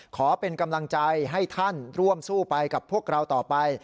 ขอเป็นกำลังใจให้ท่านร่วมสู้ไปกับพวกเราต่อไป